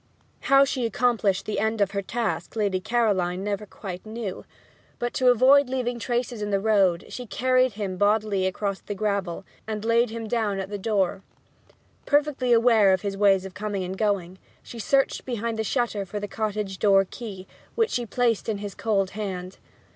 How she accomplished the end of her task Lady Caroline never quite knew; but, to avoid leaving traces in the road, she carried him bodily across the gravel, and laid him down at the door. Perfectly aware of his ways of coming and going, she searched behind the shutter for the cottage door key, which she placed in his cold hand.